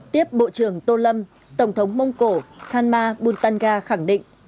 tiếp bộ trưởng tô lâm tổng thống mông cổ khanma buntanga khẳng định